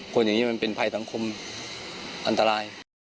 คนอย่างนี้มันเป็นภัยสังคมอันตราย